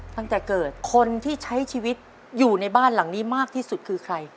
ตั้งแต่เกิดคนที่ใช้ชีวิตอยู่ในบ้านหลังนี้มากที่สุดคือใคร